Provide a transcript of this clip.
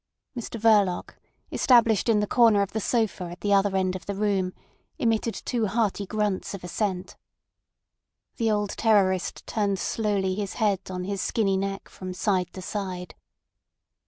Mr Verloc, established in the corner of the sofa at the other end of the room, emitted two hearty grunts of assent. The old terrorist turned slowly his head on his skinny neck from side to side.